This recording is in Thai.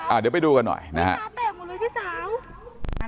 อ่าเดี๋ยวไปดูกันหน่อยนะฮะ